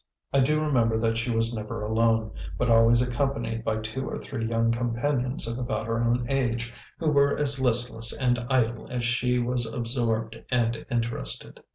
I do remember that she was never alone, but always accompanied by two or three young companions of about her own age, who were as listless and idle as she was absorbed and interested.